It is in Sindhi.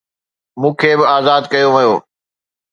مون کي به آزاد ڪيو ويو